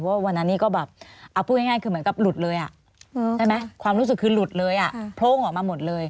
วันนั้นนี่ก็แบบเอาพูดง่ายคือเหมือนกับหลุดเลยใช่ไหมความรู้สึกคือหลุดเลยอ่ะโพร่งออกมาหมดเลย